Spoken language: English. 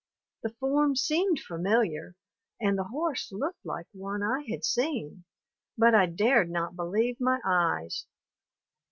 The form seemed familiar and the horse looked like one I had seen, but I dared not believe my eyes.